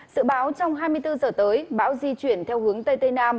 sự báo trong hai mươi bốn giờ tới bão di chuyển theo hướng tây tây nam